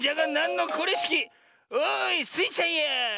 おいスイちゃんや！